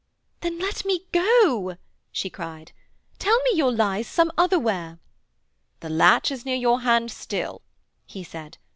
'Then let me go,' she cried. 'Tell me your lies some other where.' 'The latch is near your hand still,' he said.